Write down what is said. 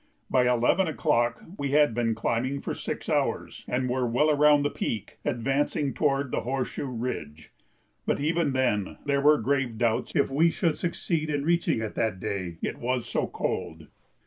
By eleven o'clock we had been climbing for six hours and were well around the peak, advancing toward the horseshoe ridge, but even then there were grave doubts if we should succeed in reaching it that day, it was so cold.